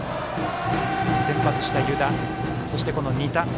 先発した湯田、そして仁田